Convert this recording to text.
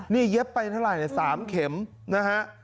นี่เย็บไปเท่าไหร่๓เข็มนะฮะ